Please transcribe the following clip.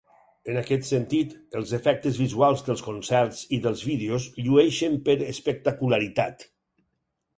En aquest sentit, els efectes visuals dels concerts i dels vídeos llueixen per espectacularitat.